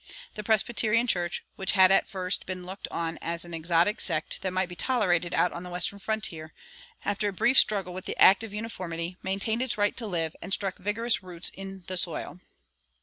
The Presbyterian Church, which had at first been looked on as an exotic sect that might be tolerated out on the western frontier, after a brief struggle with the Act of Uniformity maintained its right to live and struck vigorous root in the soil.